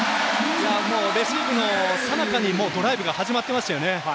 レシーブのさなかにもドライブが始まっていましたよね。